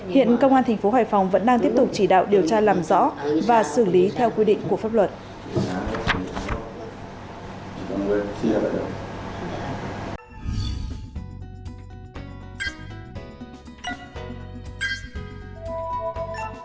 hiện công an thành phố hải phòng vẫn đang tiếp tục chỉ đạo điều tra làm rõ và xử lý theo quy định của pháp luật